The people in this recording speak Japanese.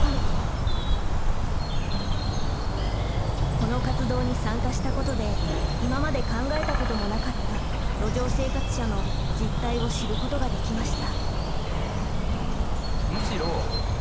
この活動に参加したことで今まで考えたこともなかった路上生活者の実態を知ることができました。